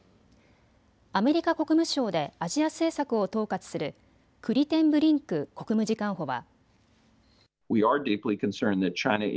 アメリカ国務省でアジア政策を統括するクリテンブリンク国務次官補は。